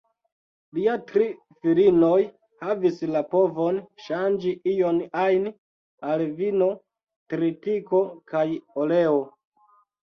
Lia tri filinoj havis la povon ŝanĝi ion-ajn al vino, tritiko kaj oleo.